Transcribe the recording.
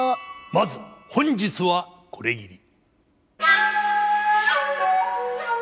まず本日はこれぎり。